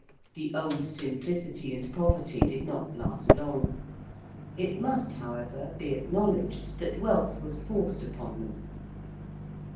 The old simplicity and poverty did not last long. It must, however, be acknowledged that wealth was forced upon them.